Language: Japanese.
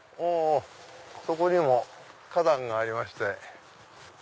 そこにも花壇がありまして。